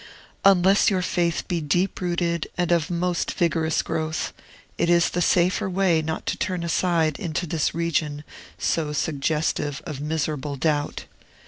Unless your faith be deep rooted and of most vigorous growth, it is the safer way not to turn aside into this region so suggestive of miserable doubt.